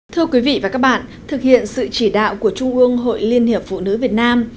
thưa quý vị và các bạn thực hiện sự chỉ đạo của trung ương hội liên hiệp phụ nữ việt nam